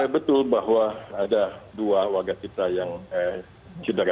betul bahwa ada dua warga kita yang cedera